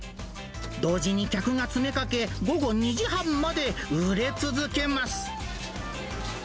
同時に客が詰めかけ、午後２時半まで売れ続けます。